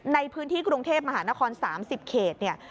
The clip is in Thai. ในพื้นที่กรุงเทพมหานคร๓๐เขตเนี่ย